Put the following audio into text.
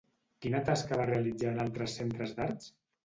Quina tascar va realitzar en altres centres d'arts?